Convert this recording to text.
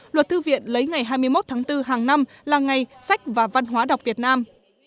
luật thư viện lấy ngày hai mươi một tháng bốn hàng năm là ngày sách và văn hóa đọc việt nam